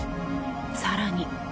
更に。